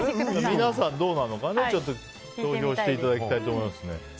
皆さんどうなのか投票していただきたいと思います。